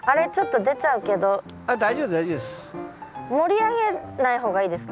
あっ大丈夫大丈夫です。